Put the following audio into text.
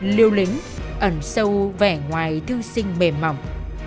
liều lĩnh ẩn sâu vẻ ngoài thương sinh mềm mỏng